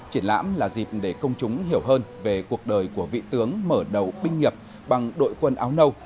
triển lãm là dịp để công chúng hiểu hơn về cuộc đời của vị tướng mở đầu binh nghiệp bằng đội quân áo nâu